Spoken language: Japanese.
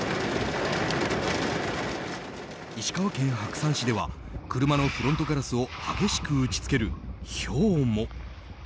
石川県白山市では車のフロントガラスを激しく打ち付けるひょうも。